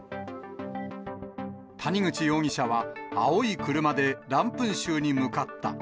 谷口容疑者は青い車でランプン州に向かった。